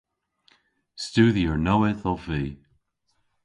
Studhyer nowydh ov vy.